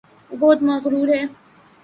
وہ بہت مغرور ہےـ